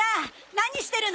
何してるの？